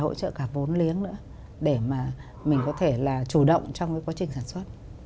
hỗ trợ cả vốn liếng nữa để mà mình có thể là chủ động trong cái quá trình sản xuất